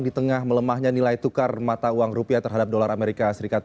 di tengah melemahnya nilai tukar mata uang rupiah terhadap dolar amerika serikat